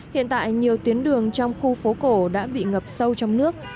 hiện tại nhiều tuyến đường trong khu phố cổ đã bị ngập sâu trong nước